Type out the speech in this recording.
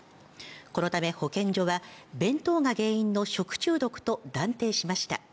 このため、保健所は弁当が原因の食中毒と断定しました。